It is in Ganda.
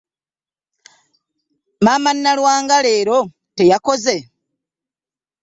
Maama Nalwanga leero teyakoze?